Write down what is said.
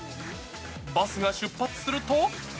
バスが出発すると。